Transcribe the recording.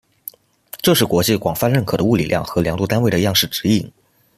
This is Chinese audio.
这是国际广泛认可的物理量和量度单位的样式指引。